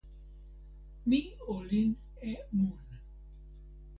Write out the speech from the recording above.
mi olin e mun.